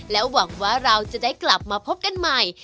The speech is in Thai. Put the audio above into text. หวังว่าเราจะได้กลับมาพบกันใหม่